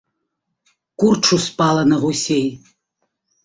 Курч успала на гусей.